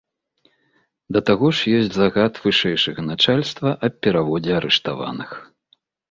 Да таго ж ёсць загад вышэйшага начальства аб пераводзе арыштаваных.